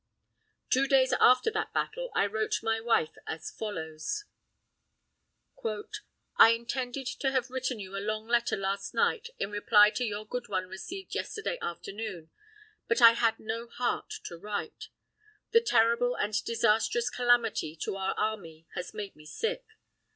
Two days after that battle I wrote my wife as follows: "I intended to have written you a long letter last night in reply to your good one received yesterday afternoon, but I had no heart to write. The terrible and disastrous calamity to our army has made me sick.